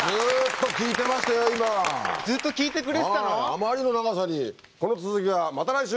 あまりの長さにこの続きはまた来週。